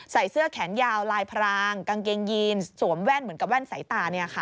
ใส่เสื้อแขนยาวลายพรางกางเกงยีนสวมแว่นเหมือนกับแว่นสายตา